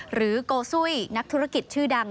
โกซุ้ยนักธุรกิจชื่อดัง